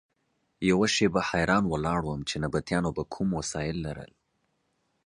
یوه شېبه حیران ولاړ وم چې نبطیانو به کوم وسایل لرل.